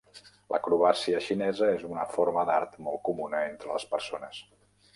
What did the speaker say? L"acrobàcia xinesa és una forma d"art molt comuna entre les persones.